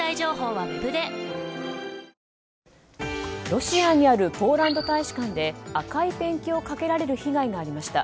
ロシアにあるポーランド大使館で赤いペンキをかけられる被害がありました。